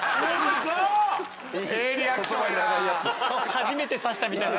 初めてさしたみたいな。